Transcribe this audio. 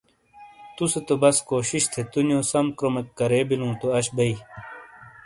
توسے تو بس کوشش تھے تونیو سم کرومیک کرے بیلوں تو آش بئے